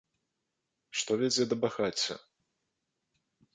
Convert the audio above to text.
Што вядзе да багацця?